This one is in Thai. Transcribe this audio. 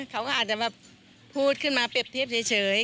เขาก็อาจจะแบบพูดขึ้นมาเปรียบเทียบเฉย